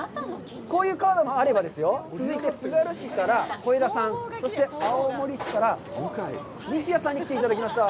こういうカードもあればですよ、続いてつがる市から小枝さん、そして青森市から西谷さんに来ていただきました。